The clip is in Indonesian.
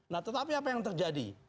nah tetapi apa yang terjadi